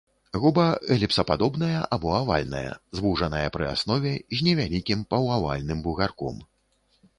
Губа эліпсападобная або авальная, звужаная пры аснове, з невялікім паўавальным бугарком.